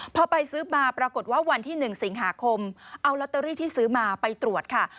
พอไปซื้อมาปรากฏว่าวันที่๑สิงหาคมเอาลอตเตอรี่ที่ซื้อมาไปตรวจค่ะ